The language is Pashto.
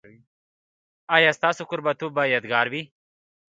ایا ستاسو کوربه توب به یادګار وي؟